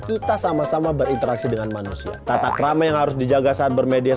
kita sama sama berinteraksi dengan manusia tatak rama yang harus dijaga saat bermedia